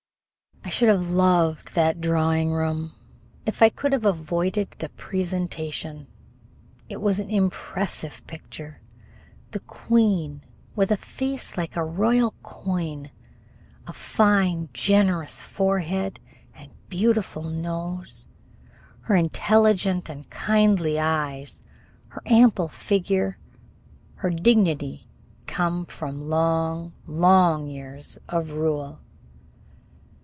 I should have loved that "drawing room" if I could have avoided the presentation. It was an impressive picture the queen with a face like a royal coin, a fine, generous forehead and beautiful nose, her intelligent and kindly eyes, her ample figure, her dignity come from long, long years of rule.